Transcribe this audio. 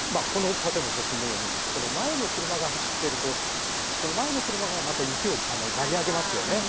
例えば写真のように前の車が走ってると前の車がまた雪を巻き上げますよね。